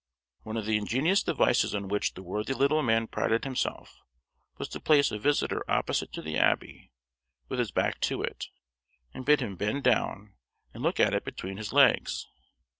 One of the ingenious devices on which the worthy little man prided himself, was to place a visitor opposite to the Abbey, with his back to it, and bid him bend down and look at it between his legs.